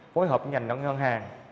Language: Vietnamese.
phối hợp với ngành nông ngân hàng